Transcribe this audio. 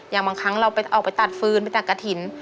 อย่างบางครั้งเราออกไปตัดฟืนไปตัดกระถิ่น